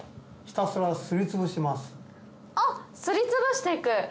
あっすりつぶして行く。